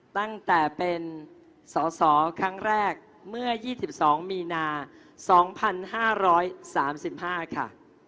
ตั้งแต่เป็นสอสอครั้งแรกเมื่อ๒๒มีนา๒๕๓๕ค่ะ